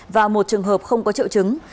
và một trường hợp không có triệu chứng